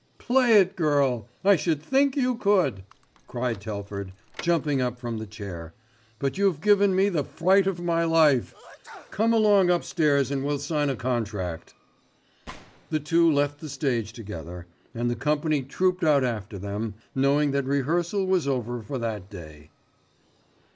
"Play it, girl, I should think you could," cried Telford, jumping up from the chair. "But you've given me the fright of my life. Come along upstairs and we'll sign a contract." The two left the stage together, and the company trooped out after them, knowing that rehearsal was over for that day.